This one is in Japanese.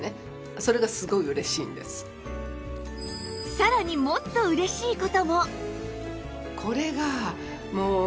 さらにもっと嬉しい事も